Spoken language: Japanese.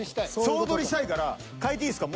総取りしたいから変えていいですか？